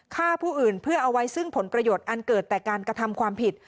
ฆ่าผู้อื่นเพื่อเอาไว้ซึ่งผลประโยชน์อันเกิดแต่การกระทำความผิด